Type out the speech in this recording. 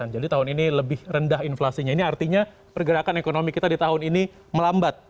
jadi tahun ini lebih rendah inflasinya ini artinya pergerakan ekonomi kita di tahun ini melambat